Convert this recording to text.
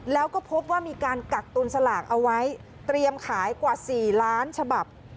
แล้วก็พบว่ามีการกักตุนสลากเอาไว้เตรียมขายกว่า๔ล้านฉบับ